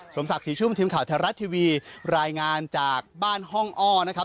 ศักดิ์ศรีชุ่มทีมข่าวไทยรัฐทีวีรายงานจากบ้านห้องอ้อนะครับ